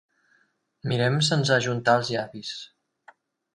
Mirem sense ajuntar els llavis.